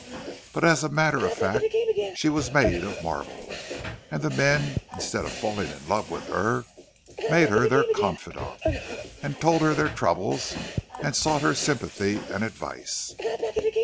But as a matter of fact she was made of marble; and the men, instead of falling in love with her, made her their confidante, and told her their troubles, and sought her sympathy and advice.